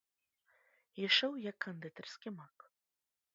Ішоў як кандытарскі мак.